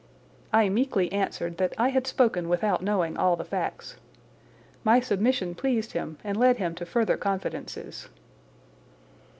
I meekly answered that I had spoken without knowing all the facts. My submission pleased him and led him to further confidences.